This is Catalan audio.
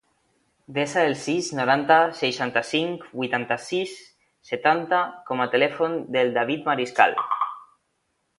Desa el sis, noranta, seixanta-cinc, vuitanta-sis, setanta com a telèfon del David Mariscal.